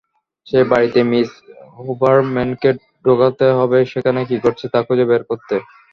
সেই বাড়িতে মিস হুবারম্যানকে ঢোকাতে হবে সেখানে কী ঘটছে তা খুঁজে বের করতে।